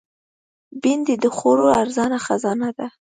بېنډۍ د خوړو ارزانه خزانه ده